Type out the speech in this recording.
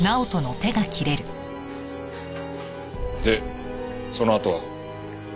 でそのあとは？